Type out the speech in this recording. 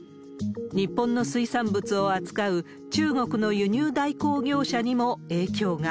日本の水産物を扱う中国の輸入代行業者にも影響が。